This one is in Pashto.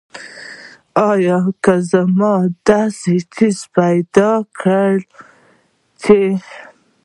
آیا که موږ داسې څیز پیدا کړ چې.